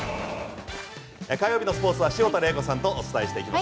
火曜日のスポーツは潮田玲子さんとお伝えしていきます。